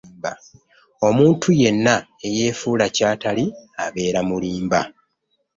Omuntu yenna eyeefuula ky'atali abeera mulimba.